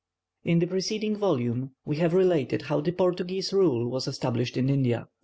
In a preceding volume we have related how the Portuguese rule was established in India.